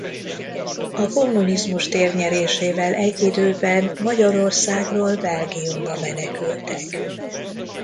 A kommunizmus térnyerésével egy időben Magyarországról Belgiumba menekültek.